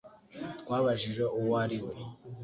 Twabajije uwo ari we